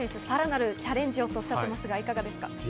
さらなるチャレンジをとおっしゃっていますが、いかがですか？